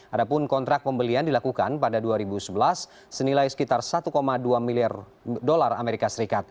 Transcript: adapun kontrak pembelian dilakukan pada dua ribu sebelas senilai sekitar satu dua miliar dolar as